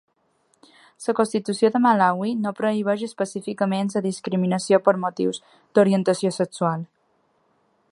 La Constitució de Malawi no prohibeix específicament la discriminació per motius d'orientació sexual.